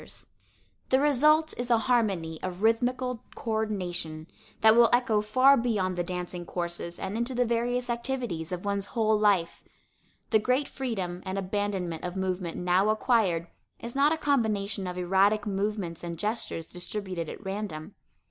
[Illustration: VIVIENNE SEGAL] The result is a harmony of rhythmical coördination that will echo far beyond the dancing courses and into the various activities of one's whole life. The great freedom and abandonment of movement now acquired is not a combination of erratic movements and gestures distributed at random.